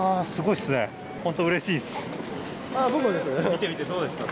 見てみてどうですか？